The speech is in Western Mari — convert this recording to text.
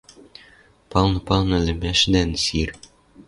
Палны, палны ӹлӹмӓшдӓн сир.